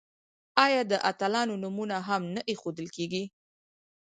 آیا د اتلانو نومونه هم نه ایښودل کیږي؟